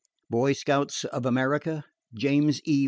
BOY SCOUTS OF AMERICA, James E.